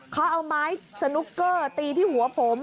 เขาเอาไม้สนุกเกอร์ตีที่หัวผม